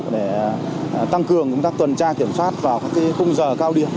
để tăng cường công tác tuần tra kiểm soát vào các khung giờ cao điểm